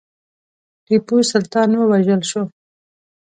ټیپو سلطان ووژل شو.